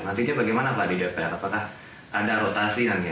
nantinya bagaimana pak di dpr apakah ada rotasi nanti